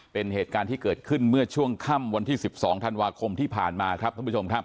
เป็นเหตุการณ์ที่เกิดขึ้นเมื่อช่วงค่ำวันที่๑๒ธันวาคมที่ผ่านมาครับท่านผู้ชมครับ